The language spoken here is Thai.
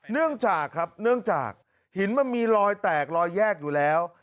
เนื่องจากครับเนื่องจากหินมันมีรอยแตกรอยแยกอยู่แล้ว